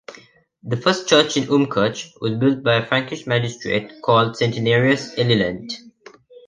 The first church in Umkirch was built by a Frankish magistrate, called Centenarius Elilant.